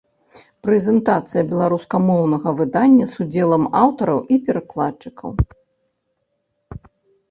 Прэзентацыя беларускамоўнага выдання з удзелам аўтараў і перакладчыкаў.